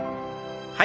はい。